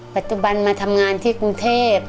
ปัจจุบันมาทำงานที่กรุงเทพ